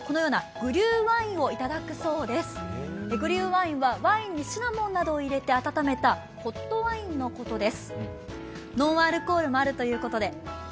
グリューワインはワインにシナモンなどを入れて温めたホットワインのことです。